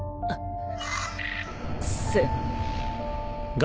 あっ！